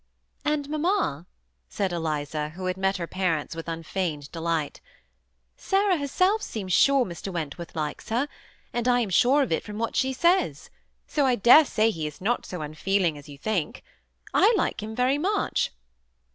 ^ And, mamma," said Eliza, who had met her par ents with unfeigned delight, '' Sarah herself seems sure Mr. Wentworth likes her, and 1 am sure of it from what she says. So I dare say he is not so un feeling as you think. I like him very much."